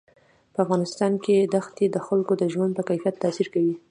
په افغانستان کې ښتې د خلکو د ژوند په کیفیت تاثیر کوي.